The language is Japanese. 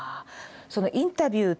そのインタビュー